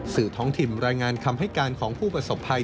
ท้องถิ่นรายงานคำให้การของผู้ประสบภัย